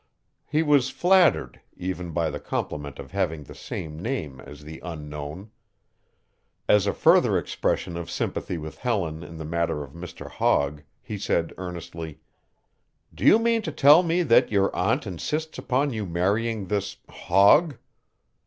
He was flattered, even by the compliment of having the same name as the unknown. As a further expression of sympathy with Helen in the matter of Mr. Hogg he said earnestly: "Do you mean to tell me that your aunt insists upon you marrying this hog?"